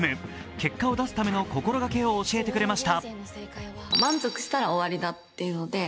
結果を出すための心がけを教えてくれました。